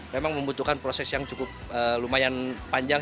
memang membutuhkan proses yang cukup lumayan panjang